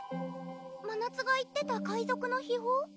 まなつが言ってた海賊の秘宝？